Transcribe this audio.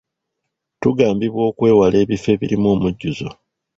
Tugambibwa okwewala ebifo ebirimu omujjuzo.